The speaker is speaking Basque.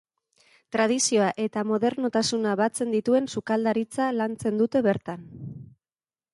Tradizioa eta modernotasuna batzen dituen sukaldaritza lantzen dute bertan.